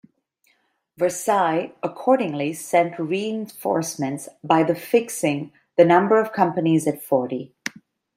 Versailles accordingly sent reinforcements by the fixing the number of companies at forty.